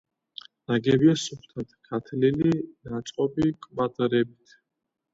ნაგებია სუფთად გათლილი, ნაწყობი კვადრებით.